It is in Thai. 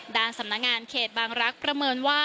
สำนักงานเขตบางรักษ์ประเมินว่า